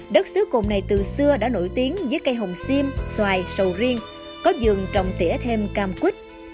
đất xứ cồn này từ xưa đã nổi tiếng với cây hồng xiêm xoài sầu riêng có giường trồng tỉa thêm cam quýt